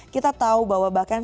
kita tahu bahwa bahkan